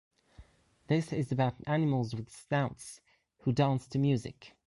This is about animals with snouts who dance to music.